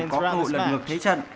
có cơ hội lần lượt thế trận